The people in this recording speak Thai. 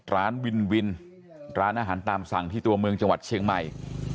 และล้านวินร้านอาหารตามสั่งที่ตัวเมืองเชียงใหม่